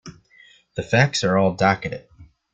The facts are all docketed.